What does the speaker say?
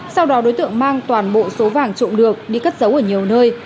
sau đó đối tượng mang toàn bộ số vàng trộm được đi cất giấu ở nhiều nơi